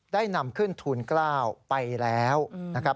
ได้นำขึ้นทูล๙ไปแล้วนะครับ